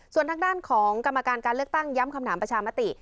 ส่วนทางด้านของกรรมการการเลือกตั้งย้ำคำถามประชามติ